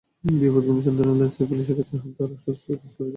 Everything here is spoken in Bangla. বিপথগামী সন্তানের লাশ চেয়ে পুলিশের কাছে যেতে তাঁরা অস্বস্তি বোধ করছেন।